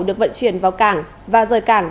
được vận chuyển vào cảng và rời cảng